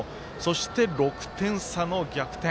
そして６点差の逆転。